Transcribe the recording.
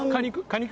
果肉。